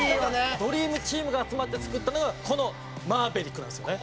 ドリームチームが集まって作ったのがこの『マーヴェリック』なんですよね。